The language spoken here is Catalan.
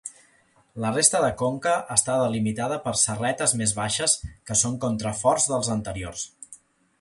La resta de conca està delimitada per serretes més baixes que són contraforts dels anteriors.